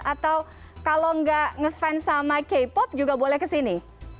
atau kalau nggak ngefans sama k pop juga boleh kesini